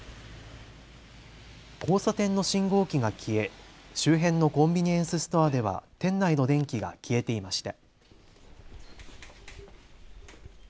交差点の信号機が消え周辺のコンビニエンスストアでは店内の電気が消えていました。